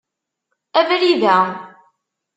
Abrid-a.